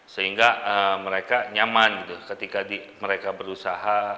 sehingga mereka nyaman gitu ketika mereka berusaha